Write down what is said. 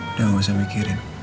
udah gak usah mikirin